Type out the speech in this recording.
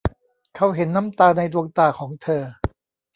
เขาเห็นน้ำตาในดวงตาของเธอ